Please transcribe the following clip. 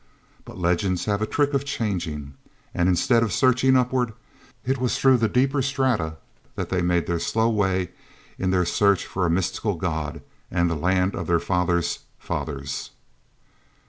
But legends have a trick of changing, and instead of searching upward, it was through the deeper strata that they made their slow way in their search for a mystic god and the land of their fathers' fathers....